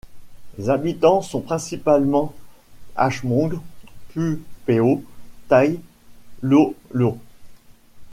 Les habitants sont principalement H'mông, Pu Péo, Tày, Lô Lô.